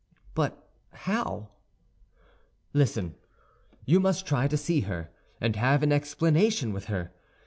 "But how?" "Listen! You must try to see her, and have an explanation with her.